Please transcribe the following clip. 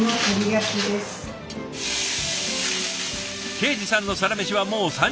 恵司さんのサラメシはもう３０年